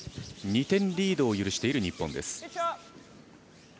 ２点リードを許している日本です。